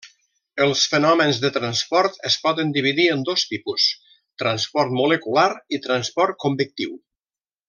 Els fenòmens de transport es poden dividir en dos tipus: transport molecular i transport convectiu.